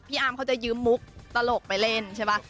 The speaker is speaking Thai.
อาร์มเขาจะยืมมุกตลกไปเล่นใช่ป่ะ